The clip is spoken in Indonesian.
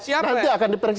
iya nanti akan diperiksa